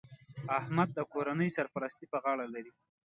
احمد د کورنۍ سرپرستي په غاړه لري